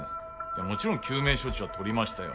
もちろん救命処置はとりましたよ。